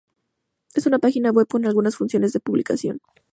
Es una página web con algunas funciones de publicación.